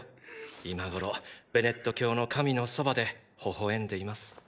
今頃ベネット教の神のそばで微笑んでます。